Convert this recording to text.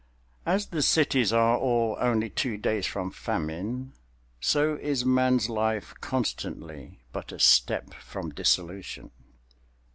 As the cities are all only two days from famine, so is man's life constantly but a step from dissolution.